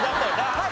はい。